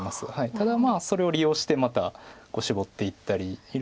ただそれを利用してまたシボっていったりいろいろ。